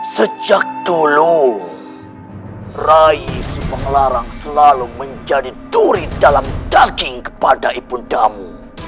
sejak dulu rai sumeh larang selalu menjadi duri dalam daging kepada ibundamu